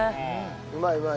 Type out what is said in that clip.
うまいうまい。